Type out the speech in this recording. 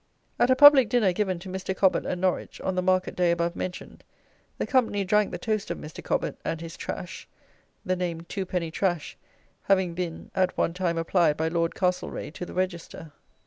[At a public dinner given to Mr. Cobbett at Norwich, on the market day above mentioned, the company drank the toast of Mr. Cobbett and his "Trash," the name "two penny trash," having being at one time applied by Lord Castlereagh to the Register.